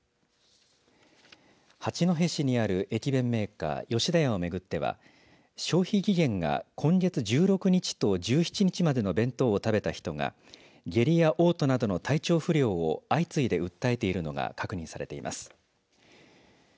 八戸市にある駅弁メーカー吉田屋を巡っては消費期限が今月１６日と１７日までの弁当を食べた人が下痢やおう吐などの体調不良を相次いで訴えているのが確認されています。